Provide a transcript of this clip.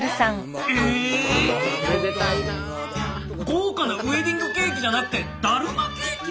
豪華なウエディングケーキじゃなくてだるまケーキ？